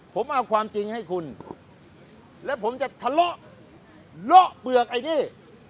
ผมเอาความจริงให้คุณแล้วผมจะทะเลาะเลาะเปลือกไอ้นี่